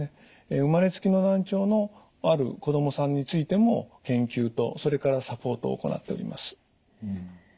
生まれつきの難聴のある子供さんについても研究とそれからサポートを行っております。